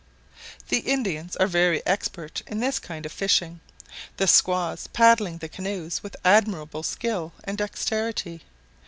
The Indians are very expert in this kind of fishing; the squaws paddling the canoes with admirable skill and dexterity.